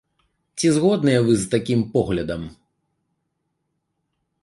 Ці згодныя вы з такім поглядам?